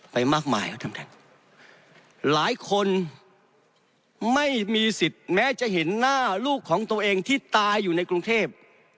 ไปมากมายครับท่านท่านหลายคนไม่มีสิทธิ์แม้จะเห็นหน้าลูกของตัวเองที่ตายอยู่ในกรุงเทพ